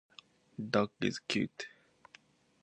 Dog is cute.